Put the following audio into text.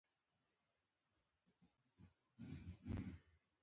په موږ دی لارويه د چا پام او د چا ياد